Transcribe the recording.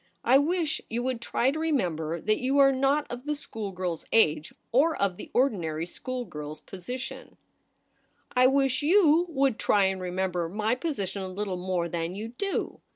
' I wish you would try to remember that you are not of the schoolgirl's age or of the ordinary schoolgirl's position '' I wish you would try and remember my position a little more than you do.